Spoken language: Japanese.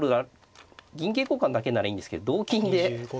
銀桂交換だけならいいんですけど同金で。